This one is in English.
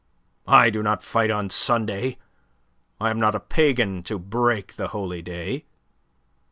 "I do not fight on Sunday. I am not a pagan to break the holy day."